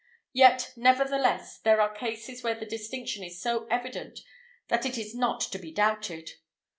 Yet, nevertheless, there are cases where the distinction is so evident that it is not to be doubted.